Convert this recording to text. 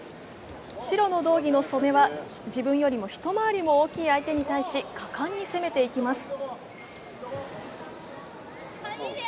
白の道着の素根は自分よりも一回りも大きい相手に対し果敢に攻めていきます。